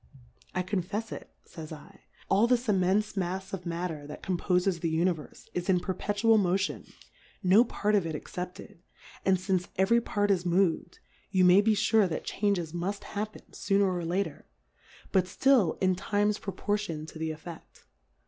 I confefs it, fays 7, all this immenfe Mafs of Matter that compofes the Univerfe, is in p<irpetua! Motion, no Part of it ex cepted ; and fince every Part is mov'd, you may be fure that Changes muft happen 1 60 Difcourfes on the happen fooner or later ; but ftill m times proportioned to the Effcft.